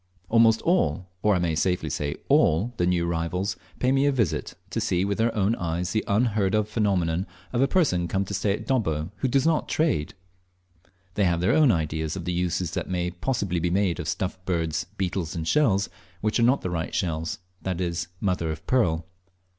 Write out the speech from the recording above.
Almost all, or I may safely say all, the new arrivals pay me a visit, to see with their own eyes the unheard of phenomenon of a person come to stay at Dobbo who does not trade! They have their own ideas of the uses that may possibly be made of stuffed birds, beetles, and shells which are not the right shells that is, "mother of pearl."